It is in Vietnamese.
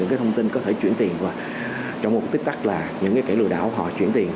những cái thông tin có thể chuyển tiền và trong một tích tắc là những cái kẻ lừa đảo họ chuyển tiền